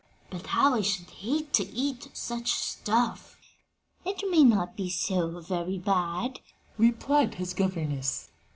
"But how I should hate to eat such stuff!" "It may not be so very bad," replied his governess.